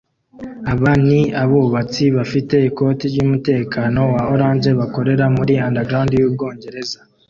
Aba ni abubatsi bafite ikoti ryumutekano wa orange bakorera muri Underground yu Bwongereza